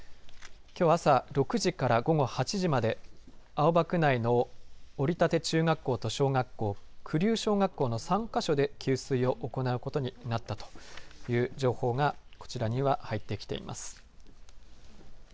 きょう朝６時から午後８時まで青葉区内のおりたて中学校とくりゅう小学校の３か所で給水を行うことになったという情報が、こちらには入ってきています。